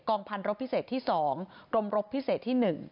พันรบพิเศษที่๒กรมรบพิเศษที่๑